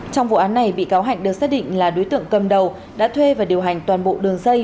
trong vụ án này bị cáo hạnh được xác định là đối tượng cầm đầu đã thuê và điều hành toàn bộ đường dây